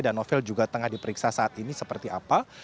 dan novel juga tengah diperiksa saat ini seperti apa